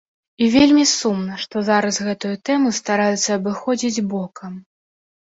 І вельмі сумна, што зараз гэтую тэму стараюцца абыходзіць бокам.